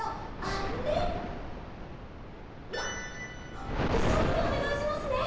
あっいそぎでおねがいしますね。